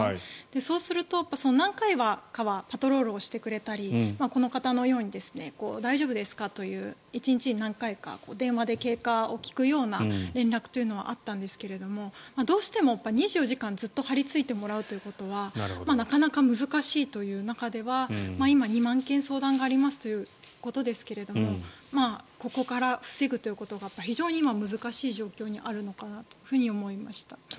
そうすると、何回かはパトロールをしてくれたりこの方のように大丈夫ですかという１日に何回か電話で経過を聞くような連絡というのはあったんですがどうしても２４時間ずっと張りついてもらうということはなかなか難しいという中では今、２万件相談がありますということですがここから防ぐということが非常に今、難しい状況にあるのかなと思いました。